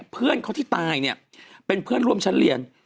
เพื่อนเขาที่ตายเนี่ยเป็นเพื่อนร่วมชั้นเรียน